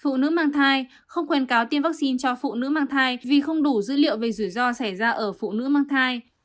phụ nữ mang thai không khuyến cáo tiêm vaccine cho phụ nữ mang thai vì không đủ dữ liệu về rủi ro xảy ra ở phụ nữ mang thai